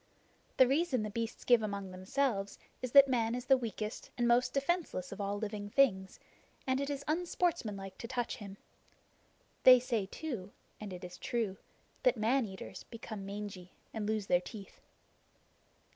The reason the beasts give among themselves is that Man is the weakest and most defenseless of all living things, and it is unsportsmanlike to touch him. They say too and it is true that man eaters become mangy, and lose their teeth.